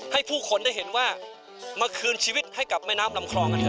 ให้ผู้คนได้เห็นว่ามาคืนชีวิตให้กับแม่น้ำลำคลองกันเถ